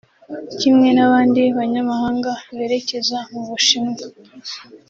Kimwe n’abandi banyamahanga berekeza mu bushinwa